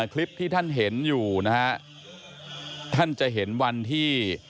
คลิปที่ท่านเห็นอยู่นะฮะท่านจะเห็นวันที่